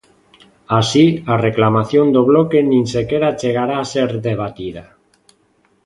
Así, a reclamación do Bloque nin sequera chegará a ser debatida.